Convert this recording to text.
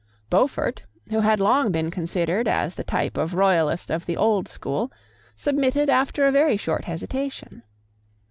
Beaufort, who had long been considered as the type of a royalist of the old school, submitted after a very short hesitation.